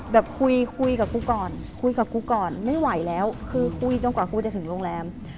แบบคุยคุยกับกูก่อนคุยกับกูก่อนไม่ไหวแล้วคือคุยจนกว่ากูจะถึงโรงแรม